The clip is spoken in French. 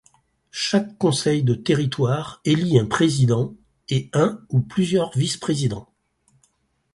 Chaque conseil de territoire élit un président et un ou plusieurs vice-présidents.